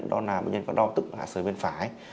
đó là bệnh nhân có đo tức hạ sới bên phải